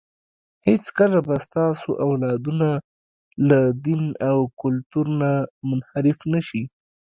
هېڅکله به ستاسو اولادونه له دین او کلتور نه منحرف نه شي.